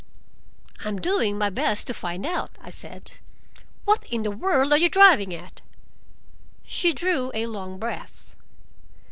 "I'm doing my best to find out," I said. "What in the world are you driving at?" She drew a long breath.